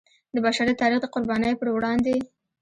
د بشر د تاریخ د قربانیو پر وړاندې.